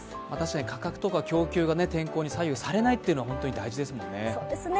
価格とか供給が天候に左右されないというのは本当に大事ですもんね。